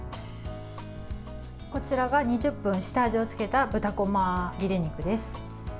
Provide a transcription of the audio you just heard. こちらが２０分、下味をつけた豚こま切れ肉です。